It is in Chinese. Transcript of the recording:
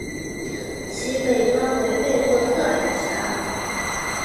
其北端为贝洛特海峡。